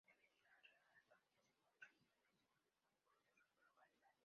La medida real cambia según regiones o incluso localidades.